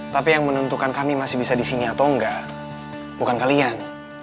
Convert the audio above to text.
tapi yang menentukan kami masih bisa di sini atau enggak bukan kalian